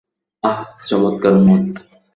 আহ, চমৎকার মদ।